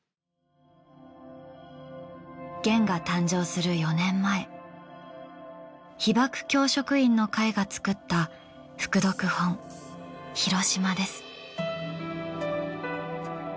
『ゲン』が誕生する４年前被爆教職員の会が作った副読本『ひろしま』です。